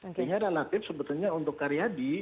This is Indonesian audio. artinya relatif sebetulnya untuk karyadi